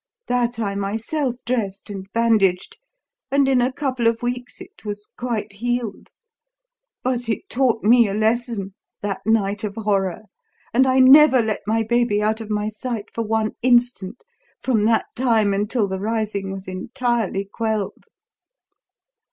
That I myself dressed and bandaged, and in a couple of weeks it was quite healed. But it taught me a lesson, that night of horror, and I never let my baby out of my sight for one instant from that time until the rising was entirely quelled.